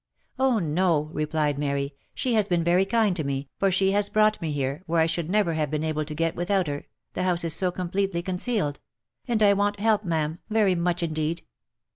" Oh, no !" replied Mary, " she has been very kind to me, for she has brought me here, where I should never have been able to get with out her, the house is so completely concealed — and I want help, ma'am, very much indeed."